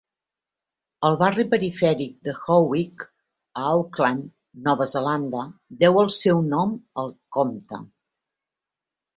El barri perifèric de Howick, a Auckland (Nova Zelanda), deu el seu nom al comte.